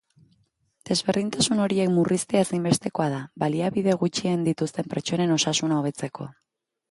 Desberdintasun horiek murriztea ezinbestekoa da, baliabide gutxien dituzten pertsonen osasuna hobetzeko.